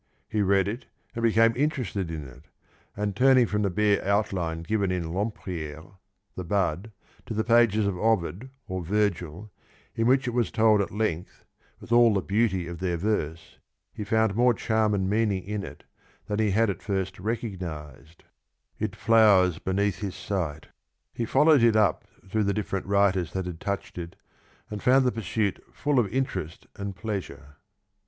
He read it and became interested in it, and, turning from the bare outline given in Lempriere (the bud) to the pages of Ovid or Virgil in which it was told at length with all the beauty of their verse, he found more charm and meaning in it than he had at first recognised (" it flowers beneath his 33 sight "). He followed it up through the different writers that had touched it, and found the pursuit full of interest and pleasure.